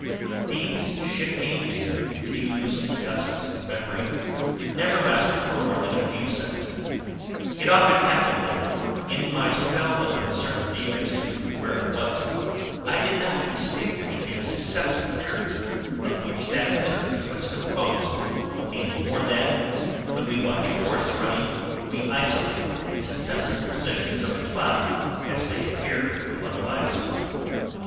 These shifting and confused gusts of memory never lasted for more than a few seconds; it often happened that, in my spell of uncertainty as to where I was, I did not distinguish the successive theories of which that uncertainty was composed any more than, when we watch a horse running, we isolate the successive positions of its body as they appear upon a bioscope.